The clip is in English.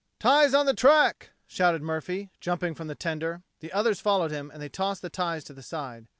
"Ties on the track," shouted Murphy, jumping from the tender. The others followed him and they tossed the ties to the side.